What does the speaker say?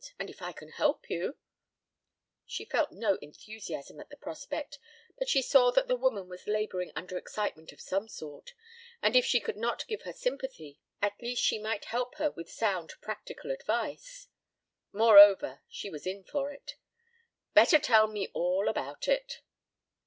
And if I can help you " She felt no enthusiasm at the prospect, but she saw that the woman was laboring under excitement of some sort, and if she could not give her sympathy at least she might help her with sound practical advice. Moreover, she was in for it. "Better tell me all about it."